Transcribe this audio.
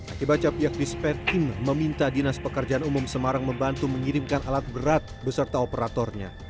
akibat capiak dispetim meminta dinas pekerjaan umum semarang membantu mengirimkan alat berat beserta operatornya